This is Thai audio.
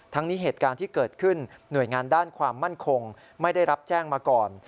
นี้เหตุการณ์ที่เกิดขึ้นหน่วยงานด้านความมั่นคงไม่ได้รับแจ้งมาก่อน